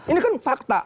ini kan fakta